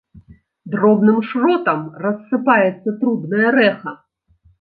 Дробным шротам рассыпаецца трубнае рэха.